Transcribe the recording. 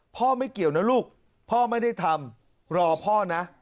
ไม่เกี่ยวนะลูกพ่อไม่ได้ทำรอพ่อนะ